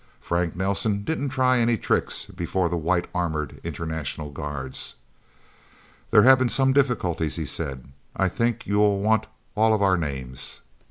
Frank Nelsen didn't try any tricks before the white armored international guards. "There have been some difficulties," he said. "I think you will want all of our names."